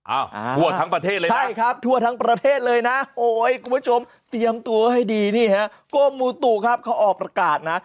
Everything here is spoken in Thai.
ทั่วทั้งประเทศเลยนะใช่ครับทั่วทั้งประเทศเลยนะโอ้ยคุณผู้ชมเตรียมตัวให้ดีนี่ฮะกรมมูตุครับเขาออกประกาศนะ